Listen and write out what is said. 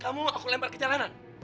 kamu aku lempar ke jalanan